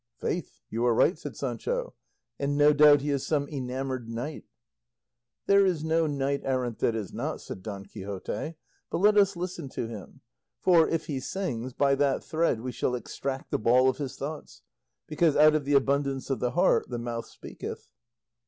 "Faith, you are right," said Sancho, "and no doubt he is some enamoured knight." "There is no knight errant that is not," said Don Quixote; "but let us listen to him, for, if he sings, by that thread we shall extract the ball of his thoughts; because out of the abundance of the heart the mouth speaketh."